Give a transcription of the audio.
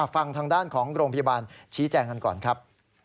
ฟังทางด้านของโรงพยาบาลชี้แจงกันก่อนครับ